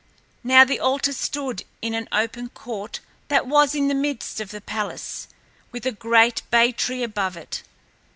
Now the altar stood in an open court that was in the midst of the palace, with a great bay tree above it.